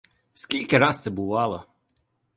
Скільки раз це бувало!